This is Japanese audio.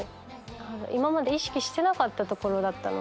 今まで意識してなかったところだったので。